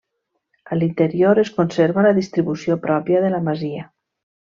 A l'interior es conserva la distribució pròpia de la masia.